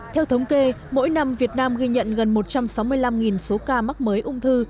theo thống kê mỗi năm việt nam ghi nhận gần một trăm sáu mươi năm số ca mắc mới ung thư